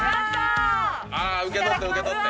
受け取って受け取って。